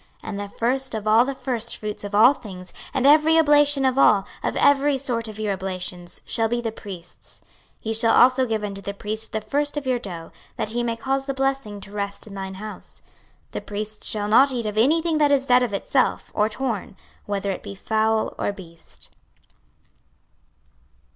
26:044:030 And the first of all the firstfruits of all things, and every oblation of all, of every sort of your oblations, shall be the priest's: ye shall also give unto the priest the first of your dough, that he may cause the blessing to rest in thine house. 26:044:031 The priests shall not eat of any thing that is dead of itself, or torn, whether it be fowl or beast.